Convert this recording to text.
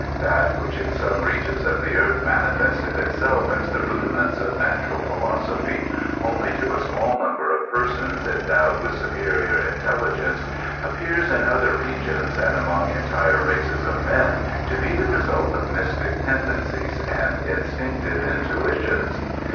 That which in some regions of the earth manifested itself as the rudiments of natural philosophy, only to a small number of persons en dowed with superior intelligence, appears in other regions, and among entire races of men, to be the result of mystic tenden cies and instinctive intuitions.